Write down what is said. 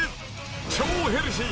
超ヘルシー！